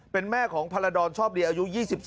เป็นแม่ของพรดรชอบดีอายุ๒๒